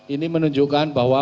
ini menunjukkan bahwa